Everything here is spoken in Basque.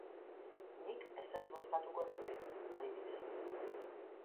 Nik ezetz bozkatuko nuke, adibidez.